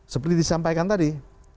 seperti disampaikan tadi